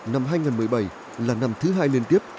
năm hai nghìn một mươi bảy là năm thứ hai liên tiếp